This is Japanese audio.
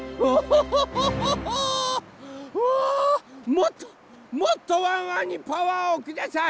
もっともっとワンワンにパワーをください！